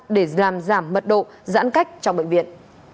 để giảm giảm mật độ giãn cách trong bệnh viện